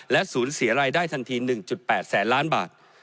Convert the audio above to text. และสูญเสียรายได้ทันที๑๘แสนล้านบาท